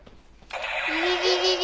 ビビビビ！